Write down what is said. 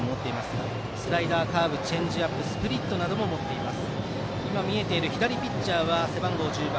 そのほか、スライダー、カーブチェンジアップスプリットも持っています。